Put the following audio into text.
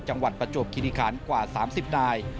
จังหวัดประจวบคินิคารกว่า๓๐นาย